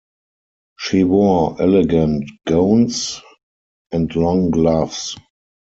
She wore elegant gowns and long gloves.